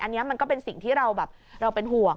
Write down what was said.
อันนี้มันก็เป็นสิ่งที่เราห่วง